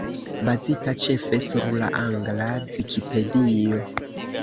Bazita ĉefe sur la angla Vikipedio.